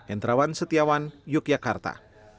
entrawan setiawan yogyakarta